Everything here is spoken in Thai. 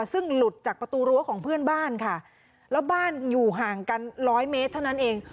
ซึ่งหลุดจากประตูรั้วของเพื่อนบ้านค่ะ